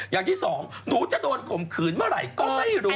อย่างที่สองหนูจะโดนข่มขืนเมื่อไหร่ก็ไม่รู้